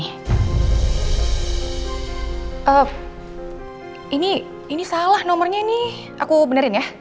eh ini salah nomornya ini aku benerin ya